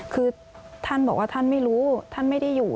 คือท่านบอกว่าท่านไม่รู้ท่านไม่ได้อยู่